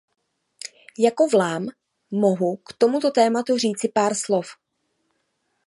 Jako Vlám mohu k tomuto tématu říci pár slov.